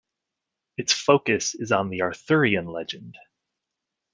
Its focus is on the Arthurian legend.